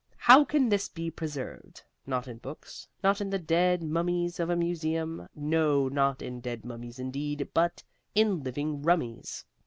How can this be preserved? Not in books, not in the dead mummies of a museum. No, not in dead mummies, indeed, but in living rummies.